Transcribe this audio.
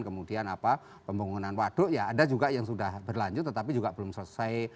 kemudian pembangunan waduk ya ada juga yang sudah berlanjut tetapi juga belum selesai